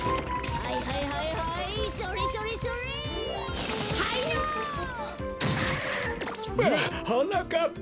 はなかっぱ！？